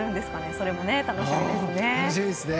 それも楽しみですね。